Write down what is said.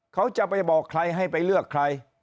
เขาจะไปบอกใครให้ไปเลือกใคร